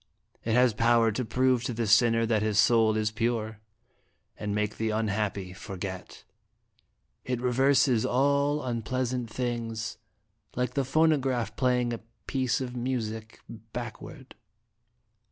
It has power to prove to the sinner that his soul is pure, and make the unhappy forget ; it reverses all unpleasant things, like the pho nograph playing a piece of music backward."